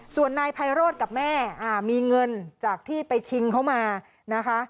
ส่วนนายไพโรธกับแม่มีเงินจากที่ไปชิงเขามานะคะ